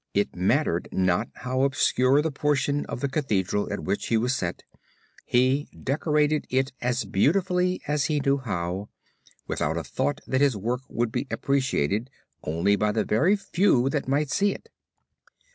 It mattered not how obscure the portion of the cathedral at which he was set, he decorated it as beautifully as he knew how, without a thought that his work would be appreciated only by the very few that might see it.